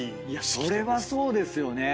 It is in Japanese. それはそうですよね。